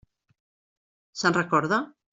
Se'n recorda?